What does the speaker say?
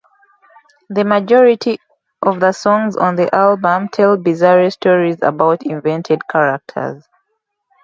The majority of the songs on the album tell bizarre stories about invented characters.